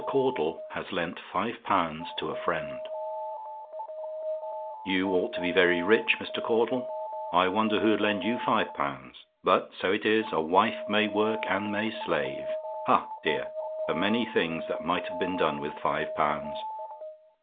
CAUDLE HAS LENT FIVE POUNDS TO A FRIEND "You ought to be very rich, Mr. Caudle. I wonder who'd lend you five pounds? But so it is: a wife may work and may slave! Ha, dear! the many things that might have been done with five pounds.